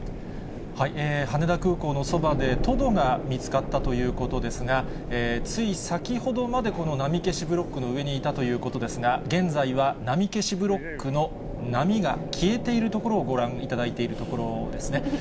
羽田空港のそばで、トドが見つかったということですが、つい先ほどまで、この波消しブロックの上にいたということですが、現在は波消しブロックの波が消えているところをご覧いただいているところですね。